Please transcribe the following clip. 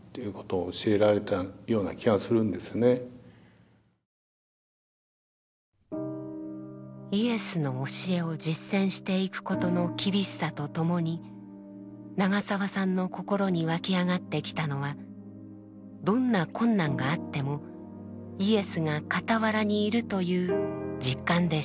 だからイエスの教えを実践していくことの厳しさとともに長澤さんの心に湧き上がってきたのはどんな困難があってもイエスが傍らにいるという実感でした。